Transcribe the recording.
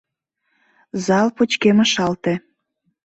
Зал пычкемышалте.